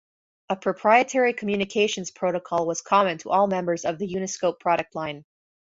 A proprietary communications protocol was common to all members of the Uniscope product line.